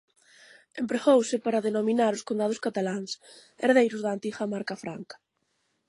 Empregouse para denominar os condados cataláns, herdeiros da antiga marca franca.